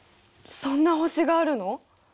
そんな星があるの？